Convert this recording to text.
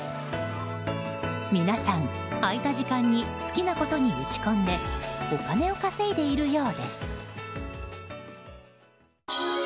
皆さん、空いた時間に好きなことに打ち込んでお金を稼いでいるようです。